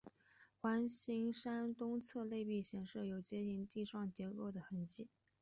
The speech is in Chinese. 环形山的东侧内壁显示有阶地状结构的痕迹。